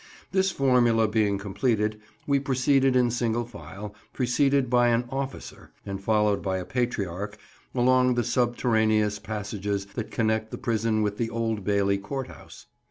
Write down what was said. This formula being completed, we proceeded in single file, preceded by an "officer" and followed by a patriarch, along the subterraneous passages that connect the prison with the Old Bailey Court house.